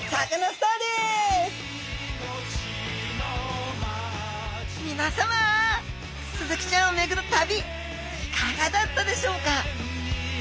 スズキちゃんをめぐる旅いかがだったでしょうか？